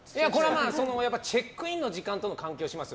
チェックインの時間とも関係しますよ。